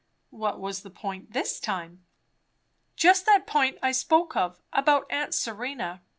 What was the point this time?" "Just that point I spoke of, about aunt Serena.